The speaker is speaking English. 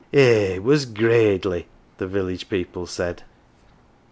" Eh, it was gradely,"" the village people said.